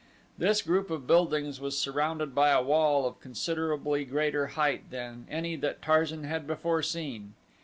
This group of buildings was surrounded by a wall of considerably greater height than any that Tarzan had before seen.